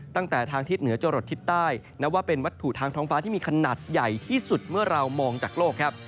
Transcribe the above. ตั้งแต่ทางทิศเหนือจรดทิศใต้นับว่าเป็นวัตถุทางท้องฟ้าที่มีขนาดใหญ่ที่สุดเมื่อเรามองจากโลกครับ